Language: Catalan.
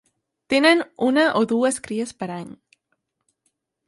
Tenen una o dues cries per any.